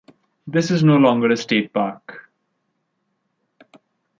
This is no longer a state park.